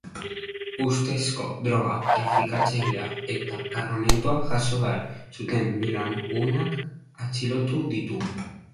Ustezko droga-trafikatzailea eta kargamentua jaso behar zuten bi lagunak atxilotu ditu.